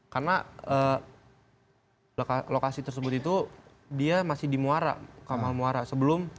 karena lokasi tersebut itu dia masih di muara kamal muara sebelum